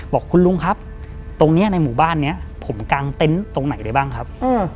บอกคุณลุงครับตรงนี้ในหมู่บ้านนี้ผมกางเต็นต์ตรงไหนได้บ้างครับ